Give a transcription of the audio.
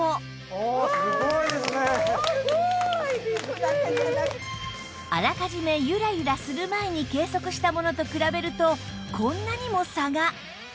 さらにあらかじめゆらゆらする前に計測したものと比べるとこんなにも差が